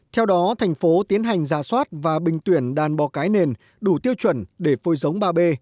theo đó thành phố tiến hành ra soát và bình tuyển đàn bò cái nền đủ tiêu chuẩn để phôi giống ba b